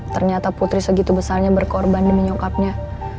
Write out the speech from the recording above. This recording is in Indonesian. ternyata putri segitu besarnya berkorban demi nyokapnya